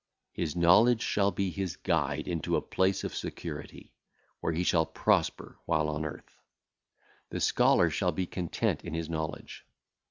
His knowledge shall be his guide (?) into a place of security, wherein he shall prosper while on earth. The scholar shall be content in his knowledge.